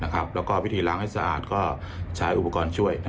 แล้วก็พิธีล้างให้สะอาดก็ใช้อุปกรณ์ช่วย